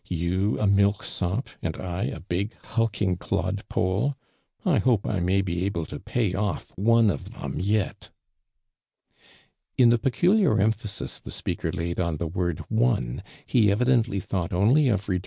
You a milk sop, I a big hulking clod polo ! I hope I m.'vy be able to pay oft' one of them yet.'" In the peculiar emphasis the speaker laid on the word "one," he evidently thought only of redre.